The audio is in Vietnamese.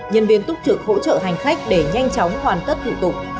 nhân viên túc trực hỗ trợ hành khách để nhanh chóng hoàn tất thủ tục